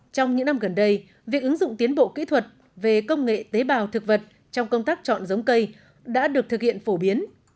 trong những năm gần đây việc ứng dụng tiến bộ kỹ thuật về công nghệ tế bào thực vật trong công tác chọn giống cây đã được thực hiện phổ biến